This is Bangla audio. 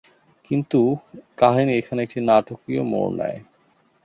কিন্তু কাহিনি এখানে একটি নাটকীয় মোড় নেয়।